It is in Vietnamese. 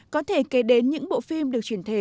có thể kể đến những bộ phim được truyền thể